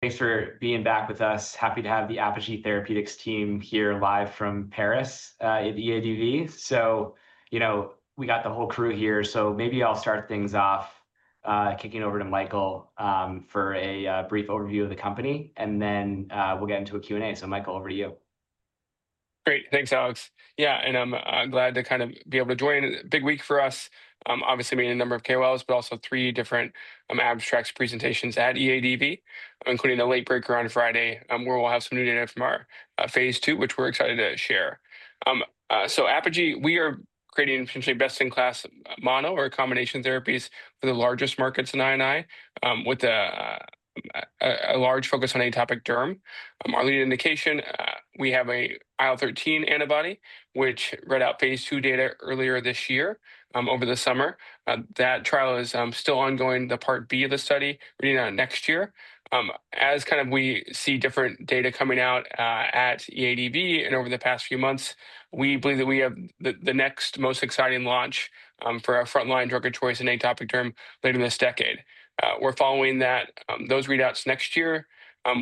Thanks for being back with us. Happy to have the Apogee Therapeutics team here live from Paris at EADV. So, you know, we got the whole crew here. So maybe I'll start things off, kicking over to Michael for a brief overview of the company, and then we'll get into a Q&A. So, Michael, over to you. Great. Thanks, Alex. Yeah. And I'm glad to kind of be able to join. Big week for us, obviously, meeting a number of KOLs, but also three different abstracts presentations at EADV, including a late breaker on Friday where we'll have some new data from our phase II, which we're excited to share. So, Apogee, we are creating potentially best-in-class mono or combination therapies for the largest markets in I&I with a large focus on atopic derm. Our lead indication, we have an IL-13 antibody, which read out phase II data earlier this year over the summer. That trial is still ongoing. The Part B of the study we're doing next year. As kind of we see different data coming out at EADV and over the past few months, we believe that we have the next most exciting launch for our frontline drug of choice in atopic derm later this decade. We're following those readouts next year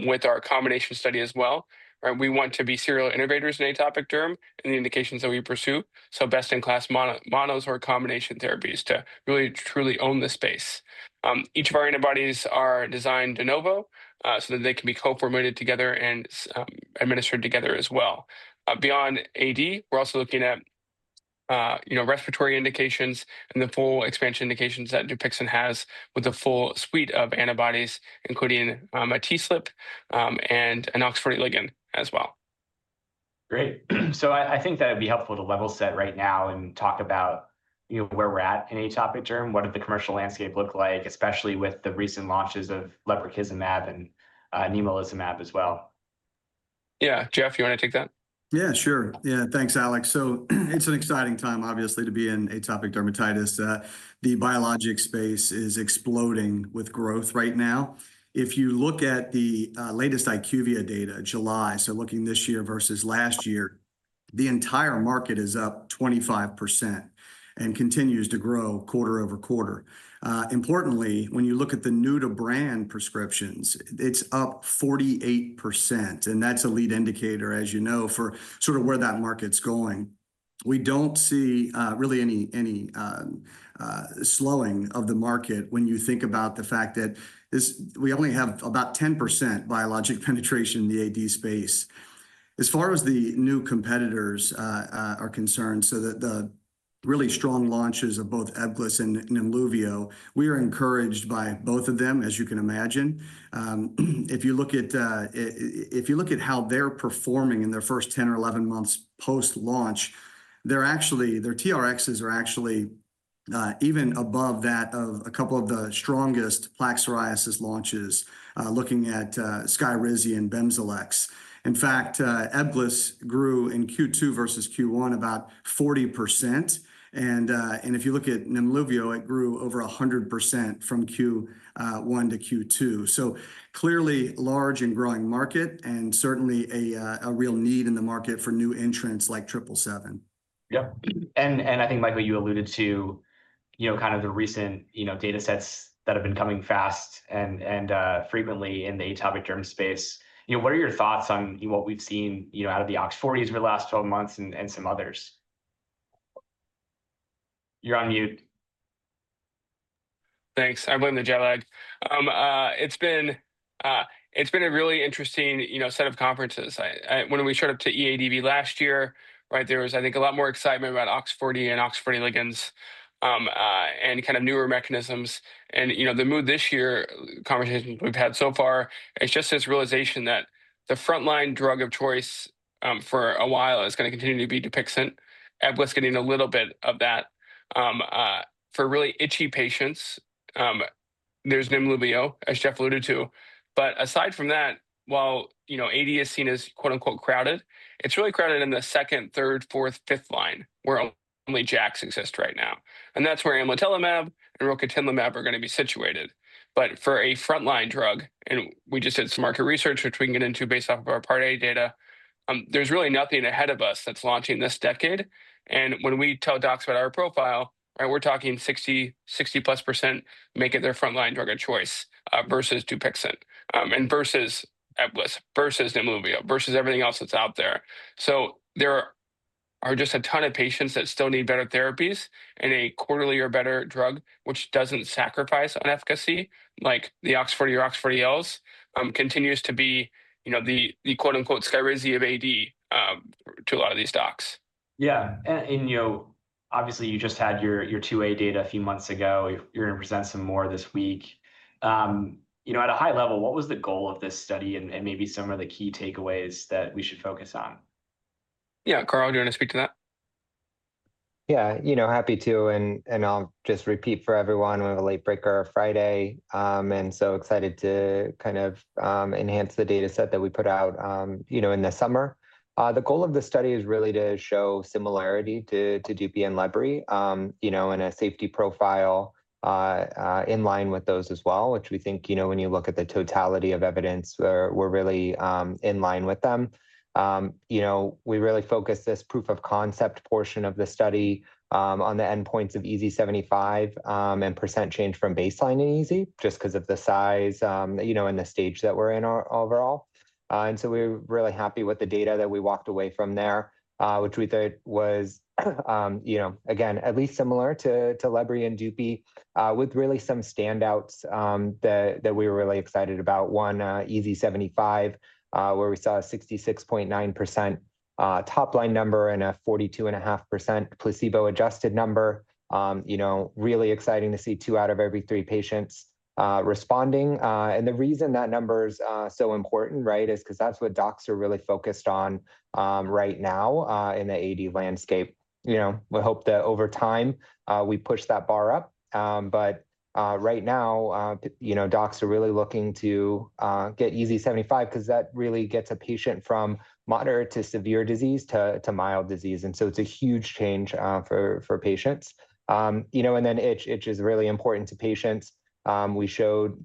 with our combination study as well. We want to be serial innovators in atopic derm and the indications that we pursue so best-in-class monos or combination therapies to really truly own the space. Each of our antibodies are designed de novo so that they can be co-formulated together and administered together as well. Beyond AD, we're also looking at, you know, respiratory indications and the full expansion indications that DUPIXENT has with a full suite of antibodies, including a TSLP and an OX40 ligand as well. Great, so I think that would be helpful to level set right now and talk about, you know, where we're at in atopic derm. What did the commercial landscape look like, especially with the recent launches of lebrikizumab and nemolizumab as well? Yeah. Jeff, you want to take that? Yeah, sure. Yeah. Thanks, Alex. So it's an exciting time, obviously, to be in atopic dermatitis. The biologic space is exploding with growth right now. If you look at the latest IQVIA data, July, so looking this year versus last year, the entire market is up 25% and continues to grow quarter over quarter. Importantly, when you look at the new-to-brand prescriptions, it's up 48%. And that's a lead indicator, as you know, for sort of where that market's going. We don't see really any slowing of the market when you think about the fact that we only have about 10% biologic penetration in the AD space. As far as the new competitors are concerned, so the really strong launches of both EBGLYSS and NEMLUVIO, we are encouraged by both of them, as you can imagine. If you look at how they're performing in their first 10 or 11 months post-launch, their TRx are actually even above that of a couple of the strongest plaque psoriasis launches, looking at SKYRIZI and BIMZELX. In fact, EBGLYSS grew in Q2 versus Q1 about 40%. And if you look at NEMLUVIO, it grew over 100% from Q1 to Q2. So clearly large and growing market and certainly a real need in the market for new entrants like 777. Yeah. And I think, Michael, you alluded to, you know, kind of the recent, you know, data sets that have been coming fast and frequently in the atopic derm space. You know, what are your thoughts on what we've seen, you know, out of the OX40s over the last 12 months and some others? You're on mute. Thanks. I blame the jet lag. It's been a really interesting, you know, set of conferences. When we showed up to EADV last year, right, there was, I think, a lot more excitement about OX40 and OX40 ligands and kind of newer mechanisms. And, you know, the mood this year, conversations we've had so far, it's just this realization that the frontline drug of choice for a while is going to continue to be DUPIXENT. EBGLYSS is getting a little bit of that. For really itchy patients, there's NEMLUVIO, as Jeff alluded to. But aside from that, while, you know, AD is seen as "crowded," it's really crowded in the second, third, fourth, fifth line where only JAKs exist right now. And that's where amlitelimab and rocatinlimab are going to be situated. But for a frontline drug, and we just did some market research, which we can get into based off of our Part A data, there's really nothing ahead of us that's launching this decade. And when we tell docs about our profile, right, we're talking 60%, 60+% make it their frontline drug of choice versus DUPIXENT and versus EBGLYSS versus NEMLUVIO versus everything else that's out there. So there are just a ton of patients that still need better therapies and a quarterly or better drug, which doesn't sacrifice on efficacy like the OX40 or OX40Ls continues to be, you know, the "SKYRIZI" of AD to a lot of these docs. Yeah. And, you know, obviously, you just had your II-A data a few months ago. You're going to present some more this week. You know, at a high level, what was the goal of this study and maybe some of the key takeaways that we should focus on? Yeah. Carl, do you want to speak to that? Yeah. You know, happy to. And I'll just repeat for everyone, we have a late breaker Friday. And so excited to kind of enhance the data set that we put out, you know, in the summer. The goal of the study is really to show similarity to Dupi and Lebri, you know, and a safety profile in line with those as well, which we think, you know, when you look at the totality of evidence, we're really in line with them. You know, we really focused this proof of concept portion of the study on the endpoints of EASI-75 and percent change from baseline and EASI just because of the size, you know, and the stage that we're in overall. And so we're really happy with the data that we walked away from there, which we thought was, you know, again, at least similar to Lebri and Dupi with really some standouts that we were really excited about. One EASI-75 where we saw a 66.9% top line number and a 42.5% placebo-adjusted number. You know, really exciting to see two out of every three patients responding. And the reason that number is so important, right, is because that's what docs are really focused on right now in the AD landscape. You know, we hope that over time we push that bar up. But right now, you know, docs are really looking to get EASI-75 because that really gets a patient from moderate to severe disease to mild disease. And so it's a huge change for patients. You know, and then itch is really important to patients. We showed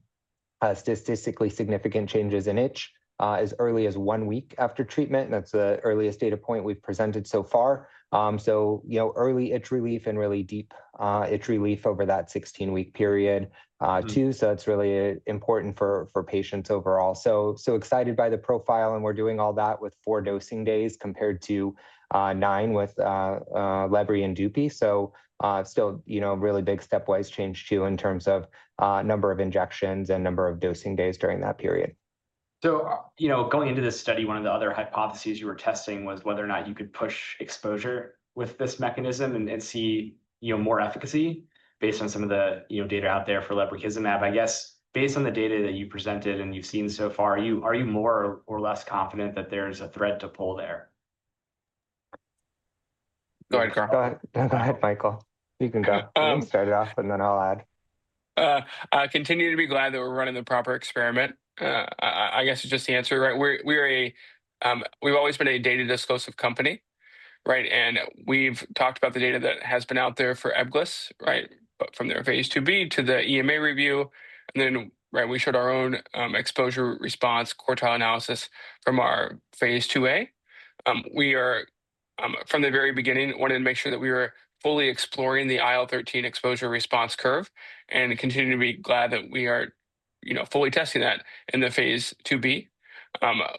statistically significant changes in itch as early as one week after treatment. That's the earliest data point we've presented so far, so you know, early itch relief and really deep itch relief over that 16-week period too, so it's really important for patients overall, so excited by the profile, and we're doing all that with four dosing days compared to nine with Lebri and Dupi. So still, you know, really big stepwise change too in terms of number of injections and number of dosing days during that period. So, you know, going into this study, one of the other hypotheses you were testing was whether or not you could push exposure with this mechanism and see, you know, more efficacy based on some of the, you know, data out there for lebrikizumab. I guess based on the data that you presented and you've seen so far, are you more or less confident that there's a thread to pull there? Go ahead, Carl. Go ahead, Michael. You can start it off, and then I'll add. Continue to be glad that we're running the proper experiment. I guess it's just the answer, right? We're a. We've always been a data disclosive company, right? We've talked about the data that has been out there for EBGLYSS, right? From phase II-B to the EMA review. Then, right, we showed our own exposure response quartile analysis from our phase II-A. We are. From the very beginning, we wanted to make sure that we were fully exploring the IL-13 exposure response curve and continue to be glad that we are, you know, fully testing that in phase II-B.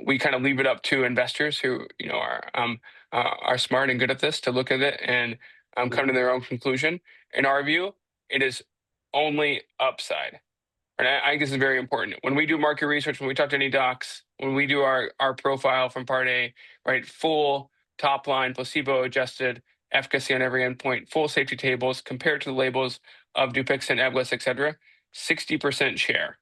we kind of leave it up to investors who, you know, are smart and good at this to look at it and come to their own conclusion. In our view, it is only upside. I think this is very important. When we do market research, when we talk to any docs, when we do our profile from Part A, right, full top line placebo-adjusted efficacy on every endpoint, full safety tables compared to the labels of DUPIXENT, EBGLYSS, et cetera, 60% share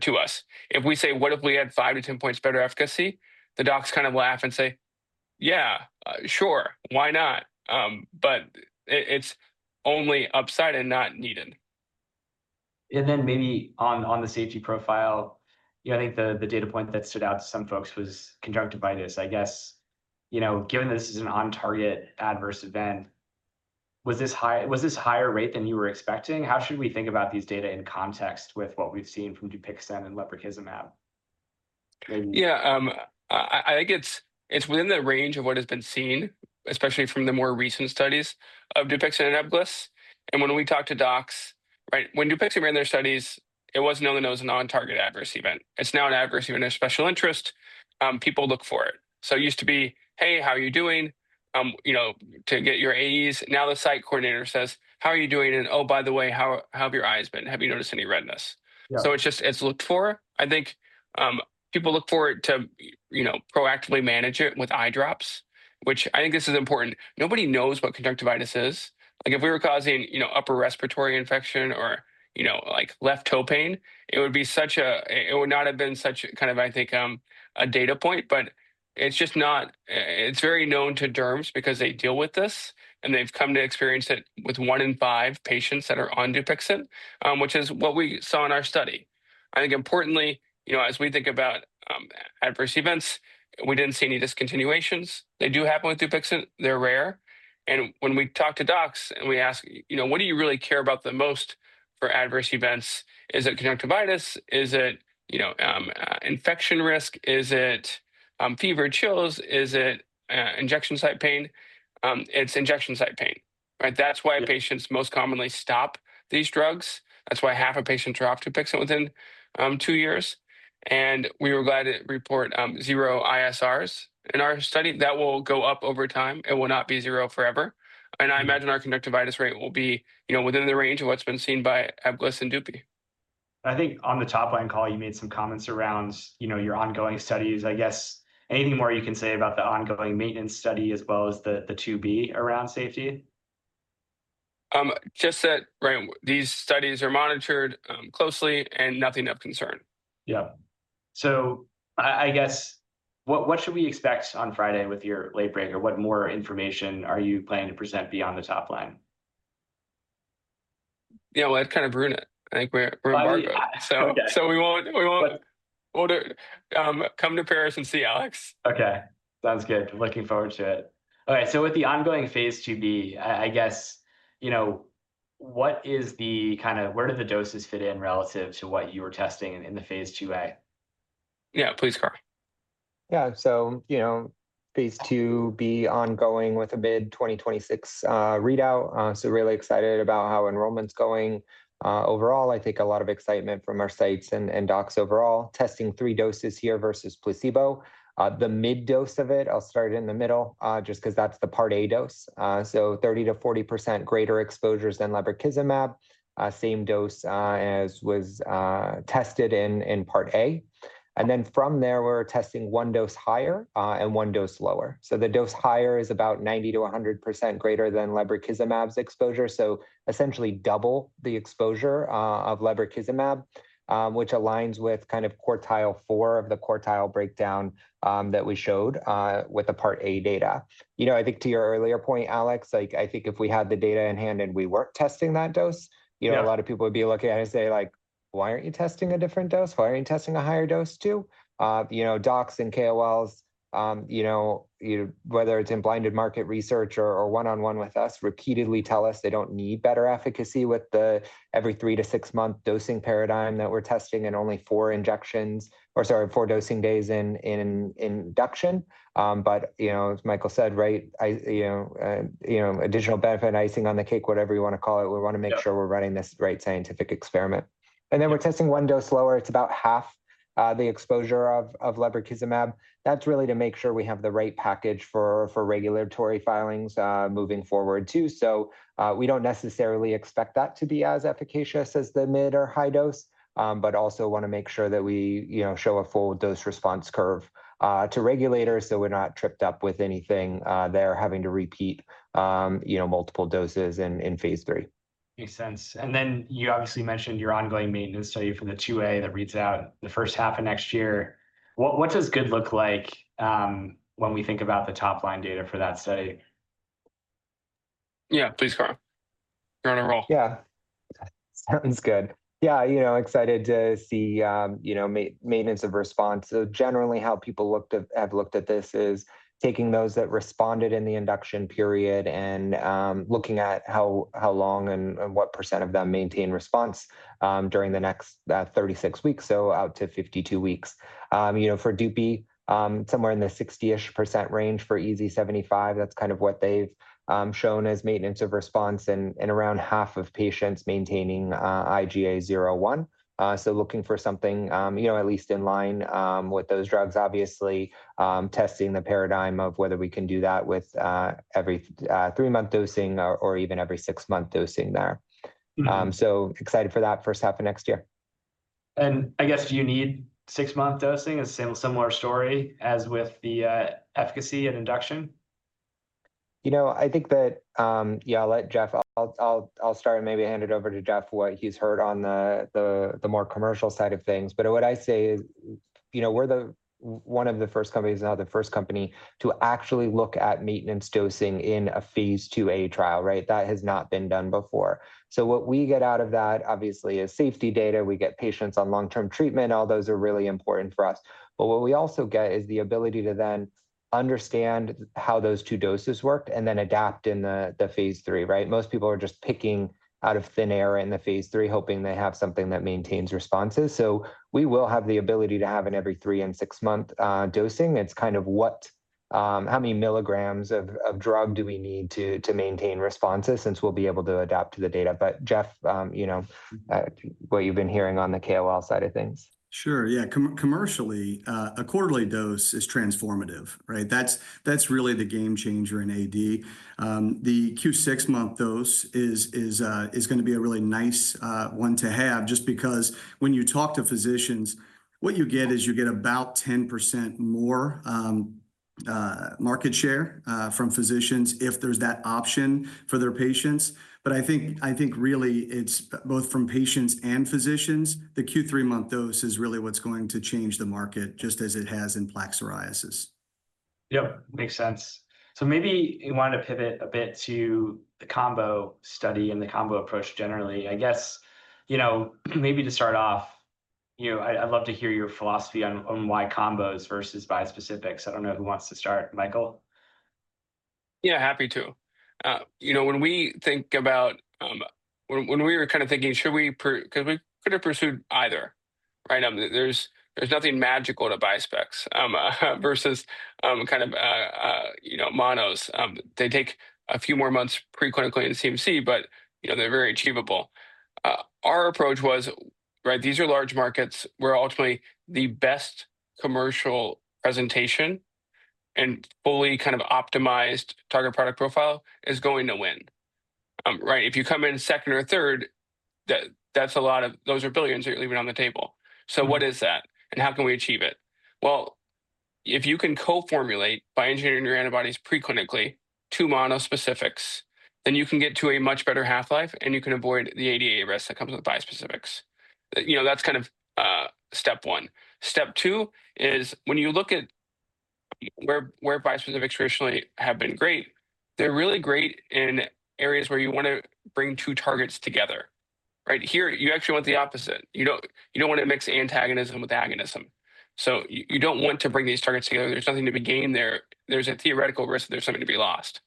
to us. If we say, "What if we had five to 10 points better efficacy?" The docs kind of laugh and say, "Yeah, sure. Why not?" But it's only upside and not needed. And then maybe on the safety profile, you know, I think the data point that stood out to some folks was conjunctivitis. I guess, you know, given that this is an on-target adverse event, was this higher rate than you were expecting? How should we think about these data in context with what we've seen from DUPIXENT and lebrikizumab? Yeah. I think it's within the range of what has been seen, especially from the more recent studies of DUPIXENT and EBGLYSS, and when we talk to docs, right? When DUPIXENT ran their studies, it wasn't known that it was an on-target adverse event. It's now an adverse event of special interest. People look for it, so it used to be, "Hey, how are you doing?" You know, to get your AEs. Now the site coordinator says, "How are you doing?" And, "Oh, by the way, how have your eyes been? Have you noticed any redness?" so it's just, it's looked for. I think people look for it to, you know, proactively manage it with eye drops, which I think this is important. Nobody knows what conjunctivitis is. Like if we were causing, you know, upper respiratory infection or, you know, like left toe pain, it would be such a, it would not have been such kind of, I think, a data point. But it's just not, it's very known to derms because they deal with this. And they've come to experience it with one in five patients that are on DUPIXENT, which is what we saw in our study. I think importantly, you know, as we think about adverse events, we didn't see any discontinuations. They do happen with DUPIXENT. They're rare. And when we talk to docs and we ask, you know, what do you really care about the most for adverse events? Is it conjunctivitis? Is it, you know, infection risk? Is it fever, chills? Is it injection site pain? It's injection site pain, right? That's why patients most commonly stop these drugs. That's why half of patients drop DUPIXENT within two years. And we were glad to report zero ISRs in our study. That will go up over time. It will not be zero forever. And I imagine our conjunctivitis rate will be, you know, within the range of what's been seen by EBGLYSS and DUPI. I think on the top line, Carl, you made some comments around, you know, your ongoing studies. I guess anything more you can say about the ongoing maintenance study as well as the II-B around safety? Just that, right, these studies are monitored closely and nothing of concern. Yeah. So I guess what should we expect on Friday with your late breaker? What more information are you planning to present beyond the top line? You know, let's kind of run it. I think we're in Vegas, so we won't come to Paris and see Alex. Okay. Sounds good. Looking forward to it. All right. So with the ongoing phase II-B, I guess, you know, what is the kind of, where do the doses fit in relative to what you were testing in the phase II-A? Yeah. Please, Carl. Yeah. So, you phase II-B ongoing with a mid-2026 readout. So really excited about how enrollment's going overall. I think a lot of excitement from our sites and docs overall testing three doses here versus placebo. The mid dose of it, I'll start in the middle just because that's the Part A dose. So 30%-40% greater exposures than lebrikizumab, same dose as was tested in Part A. And then from there, we're testing one dose higher and one dose lower. So the dose higher is about 90%-100% greater than lebrikizumab's exposure. So essentially double the exposure of lebrikizumab, which aligns with kind of quartile four of the quartile breakdown that we showed with the Part A data. You know, I think to your earlier point, Alex, like I think if we had the data in hand and we weren't testing that dose, you know, a lot of people would be looking at it and say, like, "Why aren't you testing a different dose? Why aren't you testing a higher dose too?" You know, docs and KOLs, you know, whether it's in blinded market research or one-on-one with us, repeatedly tell us they don't need better efficacy with the every three to six-month dosing paradigm that we're testing and only four injections or, sorry, four dosing days in induction. But, you know, as Michael said, right, you know, additional benefit, icing on the cake, whatever you want to call it, we want to make sure we're running this right scientific experiment. And then we're testing one dose lower. It's about half the exposure of lebrikizumab. That's really to make sure we have the right package for regulatory filings moving forward too. So we don't necessarily expect that to be as efficacious as the mid or high dose, but also want to make sure that we, you know, show a full dose response curve to regulators so we're not tripped up with anything there having to repeat, you know, multiple doses in phase III. Makes sense. And then you obviously mentioned your ongoing maintenance study for the II-A that reads out the first half of next year. What does good look like when we think about the top line data for that study? Yeah. Please, Carl. You're on a roll. Yeah. Sounds good. Yeah. You know, excited to see, you know, maintenance of response. So generally, how people have looked at this is taking those that responded in the induction period and looking at how long and what percent of them maintain response during the next 36 weeks. So out to 52 weeks. You know, for DUPI, somewhere in the 60-ish% range for EASI-75. That's kind of what they've shown as maintenance of response and around half of patients maintaining IGA 0/1. So looking for something, you know, at least in line with those drugs, obviously testing the paradigm of whether we can do that with every three-month dosing or even every six-month dosing there. So excited for that first half of next year. I guess do you need six-month dosing? It's a similar story as with the efficacy and induction. You know, I think that, yeah, I'll let Jeff. I'll start and maybe hand it over to Jeff what he's heard on the more commercial side of things. But what I say is, you know, we're one of the first companies, not the first company to actually look at maintenance dosing in a phase II-A trial, right? That has not been done before. So what we get out of that obviously is safety data. We get patients on long-term treatment. All those are really important for us. But what we also get is the ability to then understand how those two doses worked and then adapt in the phase III, right? Most people are just picking out of thin air in the phase III, hoping they have something that maintains responses. So we will have the ability to have an every three and six-month dosing. It's kind of how many milligrams of drug do we need to maintain responses since we'll be able to adapt to the data. But Jeff, you know, what you've been hearing on the KOL side of things? Sure. Yeah. Commercially, a quarterly dose is transformative, right? That's really the game changer in AD. The Q6 month dose is going to be a really nice one to have just because when you talk to physicians, what you get is you get about 10% more market share from physicians if there's that option for their patients. But I think really it's both from patients and physicians. The Q3 month dose is really what's going to change the market just as it has in plaque psoriasis. Yep. Makes sense. So maybe you wanted to pivot a bit to the combo study and the combo approach generally. I guess, you know, maybe to start off, you know, I'd love to hear your philosophy on why combos versus bispecifics. I don't know who wants to start, Michael. Yeah. Happy to. You know, when we think about, when we were kind of thinking, should we, because we could have pursued either, right? There's nothing magical to bispecifics versus kind of, you know, monos. They take a few more months preclinically in CMC, but, you know, they're very achievable. Our approach was, right, these are large markets where ultimately the best commercial presentation and fully kind of optimized target product profile is going to win, right? If you come in second or third, that's a lot of, those are billions that you're leaving on the table. So what is that? And how can we achieve it? Well, if you can co-formulate by engineering your antibodies preclinically to monospecifics, then you can get to a much better half-life and you can avoid the ADA risk that comes with bispecifics. You know, that's kind of step one. Step two is when you look at where bispecifics traditionally have been great, they're really great in areas where you want to bring two targets together, right? Here, you actually want the opposite. You don't want to mix antagonism with agonism. So you don't want to bring these targets together. There's nothing to be gained there. There's a theoretical risk that there's something to be lost.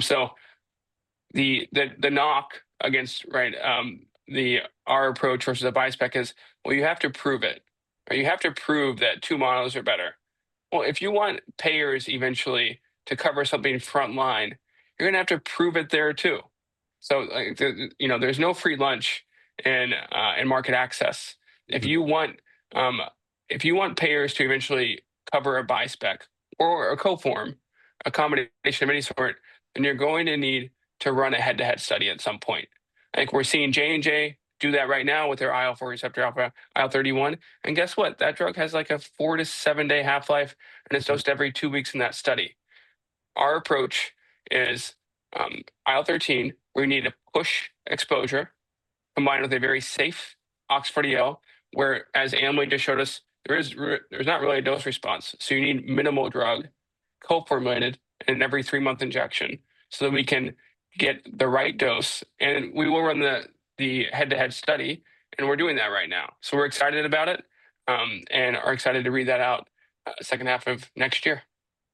So the knock against, right, our approach versus the bispecifics is, well, you have to prove it. You have to prove that two monos are better. Well, if you want payers eventually to cover something frontline, you're going to have to prove it there too. So, you know, there's no free lunch in market access. If you want payers to eventually cover a bispecific or a co-form, a combination of any sort, then you're going to need to run a head-to-head study at some point. I think we're seeing J&J do that right now with their IL-4 receptor alpha, IL-31, and guess what? That drug has like a four- to seven-day half-life and it's dosed every two weeks in that study. Our approach is IL-13, where you need to push exposure combined with a very safe OX40L, whereas Amgen just showed us there's not really a dose response, so you need minimal drug co-formulated in every three-month injection so that we can get the right dose, and we will run the head-to-head study and we're doing that right now, so we're excited about it and are excited to read that out second half of next year.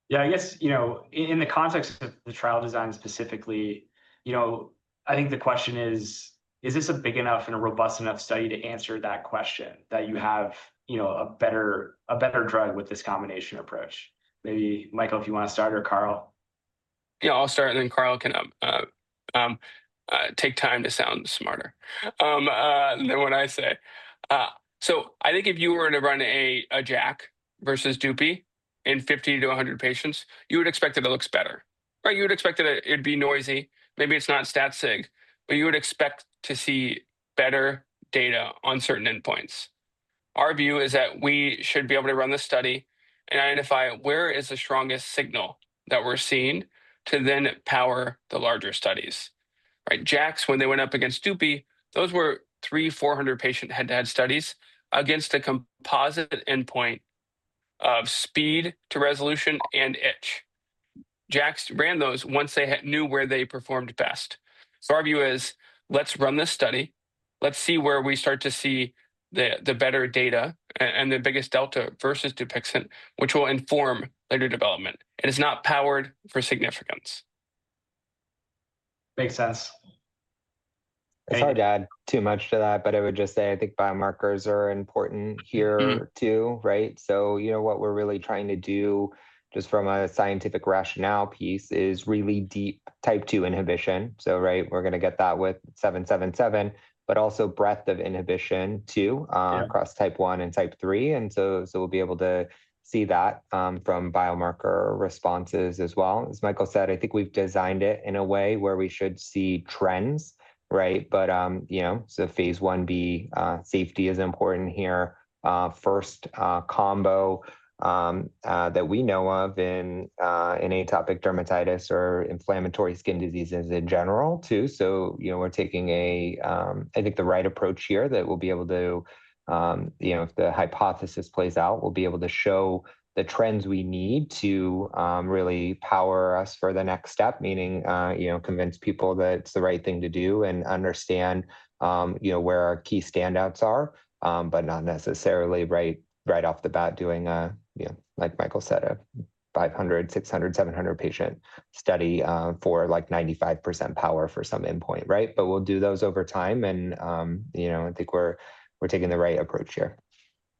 Yeah. I guess, you know, in the context of the trial design specifically, you know, I think the question is, is this a big enough and a robust enough study to answer that question that you have, you know, a better drug with this combination approach? Maybe Michael, if you want to start or Carl. Yeah. I'll start and then Carl can take time to sound smarter than what I say. So I think if you were to run a JAK versus DUPI in 50 to 100 patients, you would expect that it looks better, right? You would expect that it'd be noisy. Maybe it's not stat-sig, but you would expect to see better data on certain endpoints. Our view is that we should be able to run the study and identify where is the strongest signal that we're seeing to then power the larger studies, right? JAKs, when they went up against DUPI, those were three, four hundred patient head-to-head studies against a composite endpoint of speed to resolution and itch. JAKs ran those once they knew where they performed best. So, our view is, let's run this study. Let's see where we start to see the better data and the biggest delta versus DUPIXENT, which will inform later development. It is not powered for significance. Makes sense. Sorry to add too much to that, but I would just say I think biomarkers are important here too, right? So, you know, what we're really trying to do just from a scientific rationale piece is really deep type two inhibition. So, right, we're going to get that with 777, but also breadth of inhibition too across type one and type three. And so we'll be able to see that from biomarker responses as well. As Michael said, I think we've designed it in a way where we should see trends, right? But, you know, so phase I-B safety is important here. First combo that we know of in atopic dermatitis or inflammatory skin diseases in general too. So, you know, we're taking a, I think the right approach here that we'll be able to, you know, if the hypothesis plays out, we'll be able to show the trends we need to really power us for the next step, meaning, you know, convince people that it's the right thing to do and understand, you know, where our key standouts are, but not necessarily right off the bat doing, you know, like Michael said, a 500, 600, 700 patient study for like 95% power for some endpoint, right? But we'll do those over time, and you know, I think we're taking the right approach here.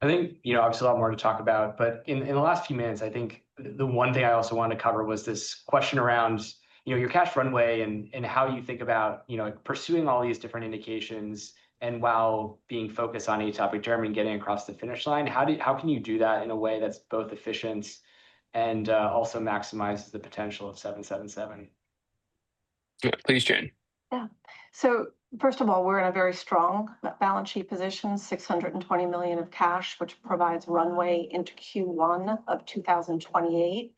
I think, you know, obviously a lot more to talk about, but in the last few minutes, I think the one thing I also wanted to cover was this question around, you know, your cash runway and how you think about, you know, pursuing all these different indications and while being focused on atopic dermatitis and getting across the finish line, how can you do that in a way that's both efficient and also maximizes the potential of 777? Please, Jane. Yeah. So first of all, we're in a very strong balance sheet position, $620 million of cash, which provides runway into Q1 of 2028.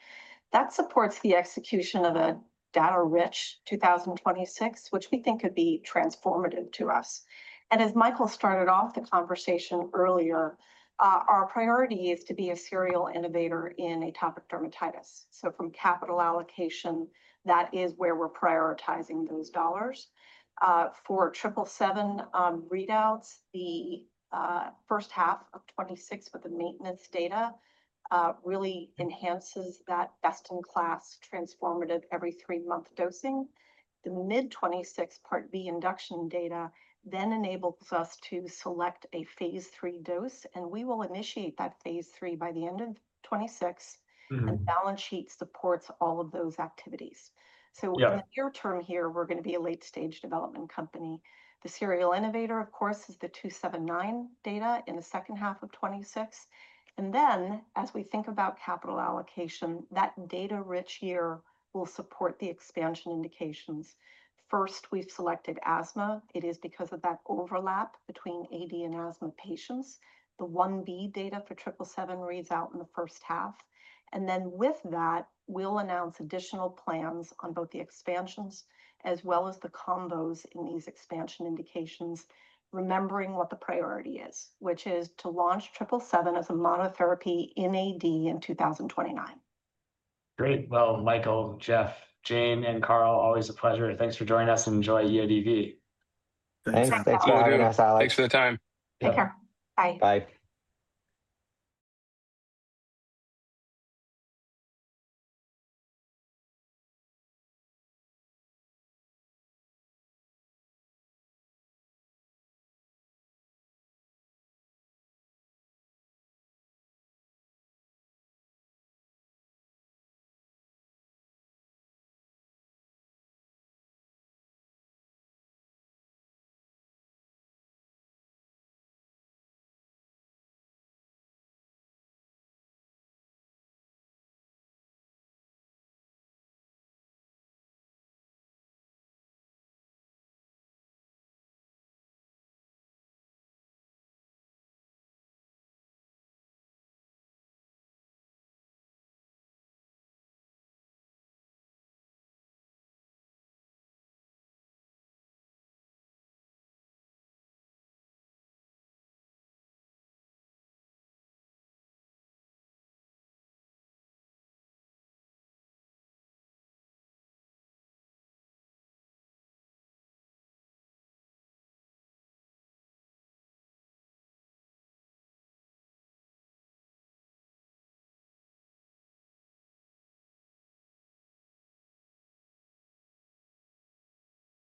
That supports the execution of a data-rich 2026, which we think could be transformative to us. As Michael started off the conversation earlier, our priority is to be a serial innovator in atopic dermatitis. From capital allocation, that is where we're prioritizing those dollars. For 777 readouts, the first half of 2026 with the maintenance data really enhances that best-in-class transformative every three-month dosing. The mid-2026 Part B induction data then enables us to select a phase III dose, and we will initiate that phase III by the end of 2026. Balance sheet supports all of those activities. In the near term here, we're going to be a late-stage development company. The serial innovator, of course, is the 279 data in the second half of 2026, and then as we think about capital allocation, that data-rich year will support the expansion indications. First, we've selected asthma. It is because of that overlap between AD and asthma patients. The 1-B data for 777 reads out in the first half, and then with that, we'll announce additional plans on both the expansions as well as the combos in these expansion indications, remembering what the priority is, which is to launch 777 as a monotherapy in AD in 2029. Great. Well, Michael, Jeff, Jane, and Carl, always a pleasure. Thanks for joining us and enjoy EADV. Thanks. Thanks for having us, Alex. Thanks for the time. Take care. Bye. Bye.